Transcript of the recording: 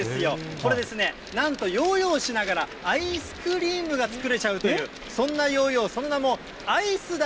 これですね、なんとヨーヨーしながらアイスクリームが作れちゃうというそんなヨーヨー、そんなもう、アイスだ